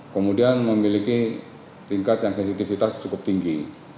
kemudian memiliki tingkat yang sensitivitas cukup tinggi